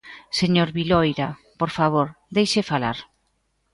¡Señora Viloira!, por favor, deixe falar.